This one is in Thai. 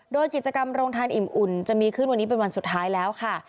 โดยกิจกรรมโรงทานอิ่มอุ่นจะมีขึ้นวันนี้เป็นวันสุดท้ายแล้วค่ะ